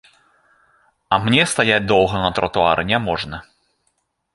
А мне стаяць доўга на тратуары няможна.